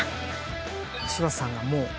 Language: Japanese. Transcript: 柴田さんがもう。